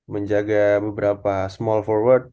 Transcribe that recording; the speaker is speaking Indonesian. menjaga beberapa small forward